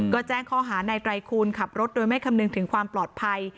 ก็แจ้งข้อหาในไตรคูณขับรถโดยไม่คำนึงถึงความปลอดภัย